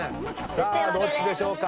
さあどっちでしょうか。